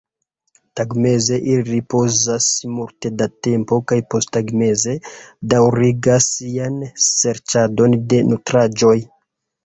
Tagmeze ili ripozas multe da tempo kaj posttagmeze daŭrigas sian serĉadon de nutraĵoj.